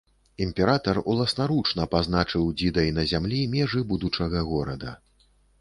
Імператар уласнаручна пазначыў дзідай на зямлі межы будучага горада.